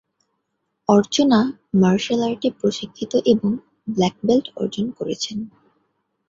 অর্চনা martial আর্টে প্রশিক্ষিত এবং ব্লাক বেল্ট অর্জন করেছেন।